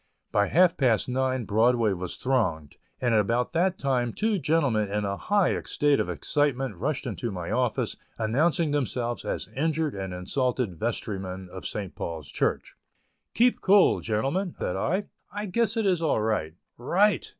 By half past nine Broadway was thronged, and about that time two gentlemen in a high state of excitement rushed into my office, announcing themselves as injured and insulted vestrymen of St. Paul's Church. "Keep cool, gentlemen," said I; "I guess it is all right." "Right!"